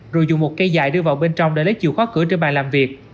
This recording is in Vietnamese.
rồi dùng một cây dài đưa vào bên trong để lấy chiều khóa cửa trên bàn làm việc